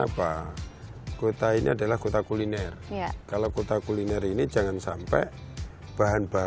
apa kota ini adalah kota kuliner kalau kota kuliner ini jangan sampai bahan bahan